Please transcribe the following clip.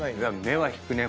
目は引くね